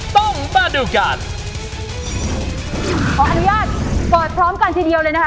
ต้องมาดูการขออนุญาตเปิดพร้อมกันทีเดียวเลยนะคะ